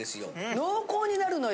濃厚になるのよ。